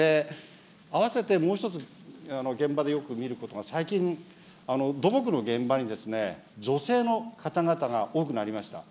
あわせてもう一つ、現場でよく見ることが、最近、土木の現場に女性の方々が多くなりました。